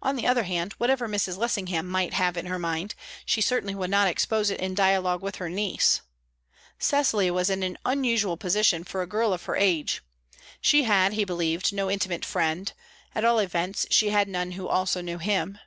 On the other hand, whatever Mrs. Lessingham might have in her mind, she certainly would not expose it in dialogue with her niece. Cecily was in an unusual position for a girl of her age; she had, he believed, no intimate friend; at all events, she had none who also knew him.